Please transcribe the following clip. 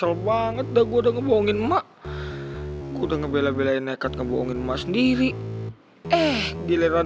sel banget udah gua udah ngebohongin mak udah ngebelain nekat ngebohongin sendiri eh giliran